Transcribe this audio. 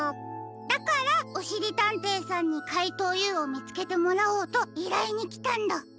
だからおしりたんていさんにかいとうＵをみつけてもらおうといらいにきたんだ。